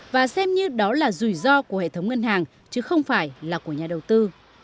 và xem như đó là rủi ro của hệ thống ngân hàng chứ không phải là của nhà đầu tư